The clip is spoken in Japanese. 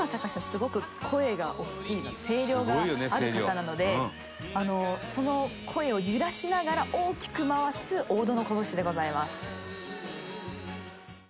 すごく声が大きい声量がある方なのでその声を揺らしながら大きく回す王道のこぶしでございます。